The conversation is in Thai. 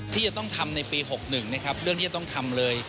ที่จะต้องทำในปี๖๑นะครับเรื่องที่จะต้องทำเลย